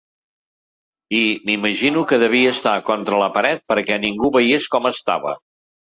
I m’imagino que devia estar contra la paret perquè ningú veiés com estava.